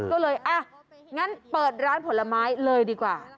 ก็เลยอ่ะงั้นเปิดร้านผลไม้เลยดีกว่า